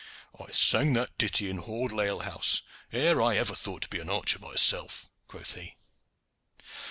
"I sang that ditty in Hordle ale house ere I ever thought to be an archer myself," quoth he.